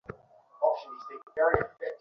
ললিতা কহিল, বাবাকে তো জিজ্ঞাসা করতেই হবে।